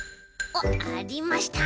おっありました。